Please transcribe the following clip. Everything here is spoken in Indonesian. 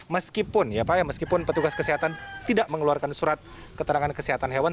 meskipun ya pak ya meskipun petugas kesehatan tidak mengeluarkan surat keterangan kesehatan hewan